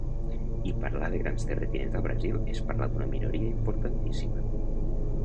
I parlar de grans terratinents al Brasil és parlar d’una minoria importantíssima.